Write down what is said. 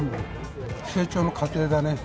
成長の過程だね。